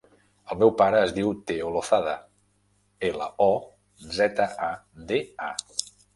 El meu pare es diu Teo Lozada: ela, o, zeta, a, de, a.